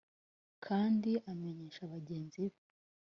kandi amenyesha bagenzi be